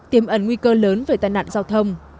tiềm ẩn nguy cơ lớn về tai nạn giao thông